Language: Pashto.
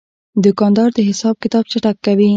دوکاندار د حساب کتاب چټک کوي.